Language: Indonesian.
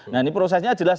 nah ini prosesnya jelas